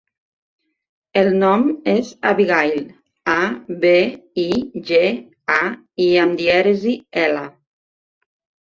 El nom és Abigaïl: a, be, i, ge, a, i amb dièresi, ela.